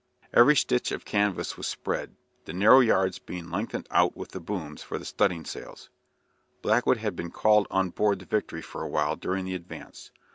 Every stitch of canvas was spread, the narrow yards being lengthened out with the booms for the studding sails. Blackwood had been called on board the "Victory" for a while during the advance.